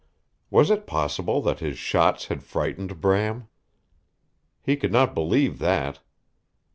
Was it possible that his shots had frightened Bram? He could not believe that.